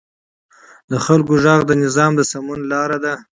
د خلکو غږ د نظام د سمون لار ده